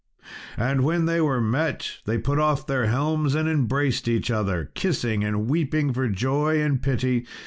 And when they were met they put off their helms, and embraced each other, kissing, and weeping for joy and pity.